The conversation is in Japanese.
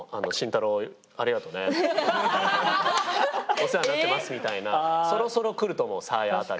「お世話になってます」みたいなそろそろ来ると思うサーヤ辺り。